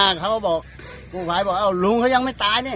แล้วเขาก็บอกกูภายบอกอ่ะรูมเขายังไม่ตายเนี่ย